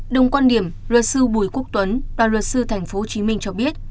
đồng quan điểm luật sư bùi quốc tuấn đoàn luật sư tp hồ chí minh cho biết